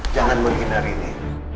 jangan menghina rini